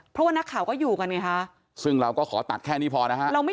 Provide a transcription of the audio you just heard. เพราะว่านักข่าวก็อยู่กันไงฮะซึ่งเราก็ขอตัดแค่นี้พอนะฮะ